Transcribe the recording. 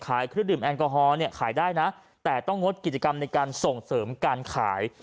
เครื่องดื่มแอลกอฮอลเนี่ยขายได้นะแต่ต้องงดกิจกรรมในการส่งเสริมการขาย